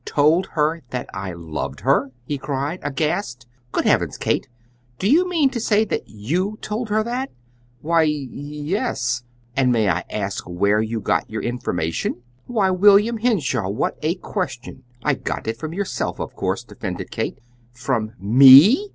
"Told her that I loved her!" he cried, aghast. "Good heavens, Kate, do you mean to say that YOU told her THAT." "Why, y yes." "And may I ask where you got your information?" "Why, William Henshaw, what a question! I got it from yourself, of course," defended Kate. "From ME!"